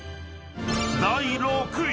［第６位］